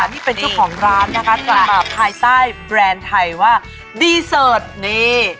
นี่เป็นเจ้าของร้านนะคะกลับมาภายใต้แบรนด์ไทยว่าดีเสิร์ตนี่